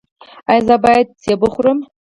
ایا زه باید مڼه وخورم؟